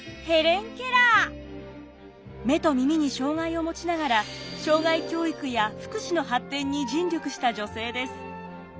目と耳に障がいを持ちながら障がい教育や福祉の発展に尽力した女性です。